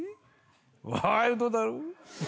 ワイルドだろ？